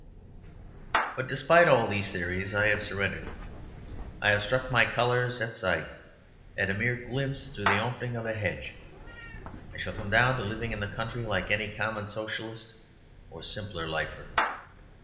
But, despite all these theories, I have surrendered; I have struck my colours at sight; at a mere glimpse through the opening of a hedge. I shall come down to living in the country, like any common Socialist or Simple Lifer.